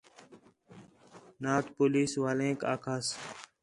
نات پولیس والینک آکھساں